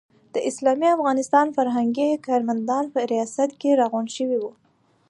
د اسلامي افغانستان فرهنګي کارمندان په ریاست کې راغونډ شوي وو.